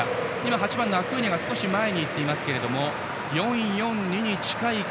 ８番のアクーニャが少し前にいますが４−４−２に近い形。